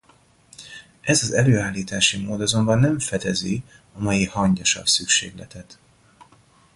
Ez az előállítási mód azonban nem fedezi a mai hangyasav szükségletet.